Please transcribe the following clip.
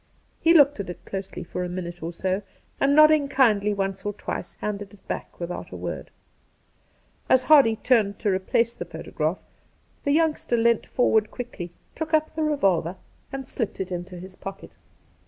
He looked at it closely for a minute or so, and nodding kindly once or twice, handed it back without a word. As Hardy turned lio replace the photograph the youngster leant forward Two Christmas Days 193 quickly, took up the revolver, and slipped it intp his pocket.